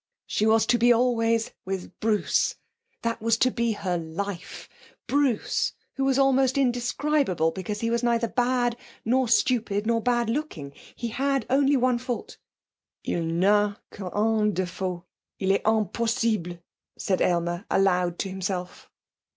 She was to be always with Bruce! That was to be her life! Bruce, who was almost indescribable because he was neither bad, nor stupid, nor bad looking. He had only one fault. 'Il n'a qu'un défaut il est impossible,' said Aylmer aloud to himself.